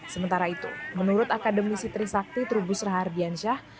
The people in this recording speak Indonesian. sementara itu menurut akademisi trisakti trubus rahardiansyah